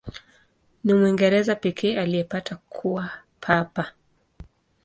Ni Mwingereza pekee aliyepata kuwa Papa.